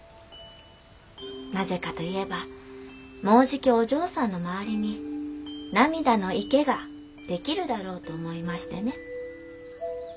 『なぜかと言えばもうじきお嬢さんの周りに涙の池が出来るだろうと思いましてね』。